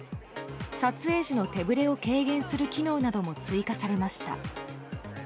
撮影時の手ぶれを軽減する機能なども追加されました。